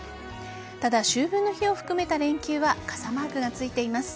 ただ、秋分の日を含めた連休は傘マークがついています。